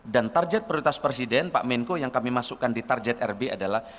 dan target prioritas presiden pak menko yang kami masukkan di target rb adalah